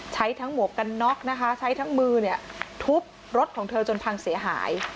ใช้ทั้งหมวกกันน็อกนะคะใช้ทั้งมือเนี่ยทุบรถของเธอจนพังเสียหาย